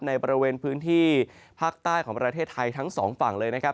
ในบริเวณพื้นที่ภาคใต้ของประเทศไทยทั้งสองฝั่งเลยนะครับ